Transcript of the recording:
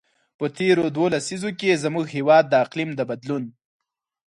په تېرو دوو لسیزو کې، زموږ هېواد د اقلیم د بدلون.